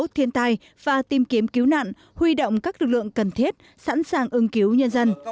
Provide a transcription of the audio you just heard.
thiên tai và tìm kiếm cứu nạn huy động các lực lượng cần thiết sẵn sàng ưng cứu nhân dân